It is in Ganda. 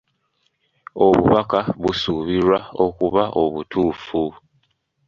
Obubaka busuubirwa okuba obutuufu.